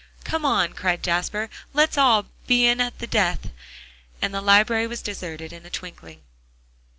"Come on," cried Jasper, "let's all 'be in at the death.'" And the library was deserted in a twinkling.